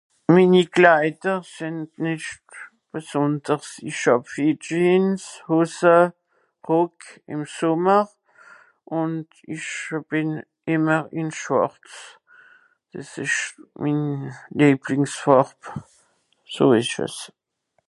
minni klaider sìnd nìcht besònders isch hàb viel jeans hòsse rock ìm sommer ùnd isch bìn ìmmer ì schwàrz des esch min Lieblingsfàrb so ìsch es